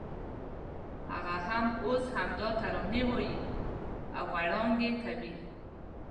هغه هم اوس همدا ترانې وایي او غړانګې کوي.